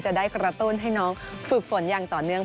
จะได้กระตุ้นให้น้องฝึกฝนอย่างต่อเนื่อง